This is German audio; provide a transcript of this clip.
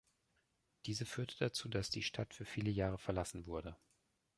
Diese führte dazu, dass die Stadt für viele Jahre verlassen wurde.